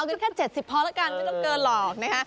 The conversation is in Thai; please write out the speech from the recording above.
กันแค่๗๐พอแล้วกันไม่ต้องเกินหรอกนะคะ